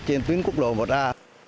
trên tuyến quốc lộ một a